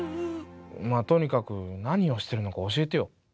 まあとにかく何をしているのか教えてよ。